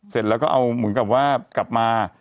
เสร็จแล้วก็เอาเหมือนกับว่ากลับมา